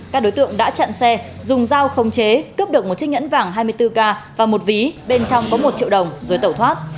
các đối tượng đã chặn xe dùng dao không chế cướp được một chiếc nhẫn vàng hai mươi bốn k và một ví bên trong có một triệu đồng rồi tẩu thoát